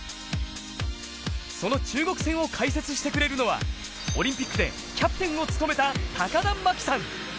その中国戦を解説してくれるのはオリンピックでキャプテンを務めた高田真希さん。